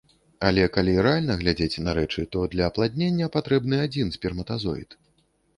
Але калі рэальна глядзець на рэчы, то для апладнення патрэбны адзін сперматазоід.